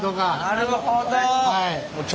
なるほど！